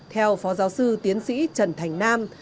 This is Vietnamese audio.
theo phó giáo sư tiến sĩ trần thành nam